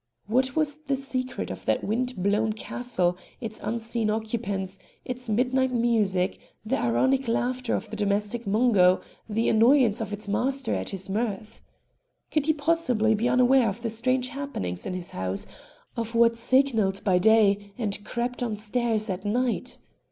What was the secret of that wind blown castle, its unseen occupants, its midnight music, the ironic laughter of the domestic Mungo, the annoyance of its master at his mirth? Could he possibly be unaware of the strange happenings in his house, of what signalled by day and crept on stairs at night?